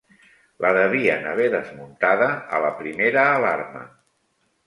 La devien haver desmuntada a la primera alarma